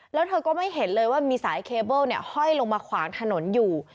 แล้วเธอก็ไม่เห็นเลยว่ามีสายเคเบิ้ลห้อยลงมาขวางถนนอยู่